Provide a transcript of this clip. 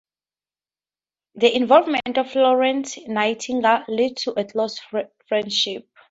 The involvement of Florence Nightingale led to a close friendship.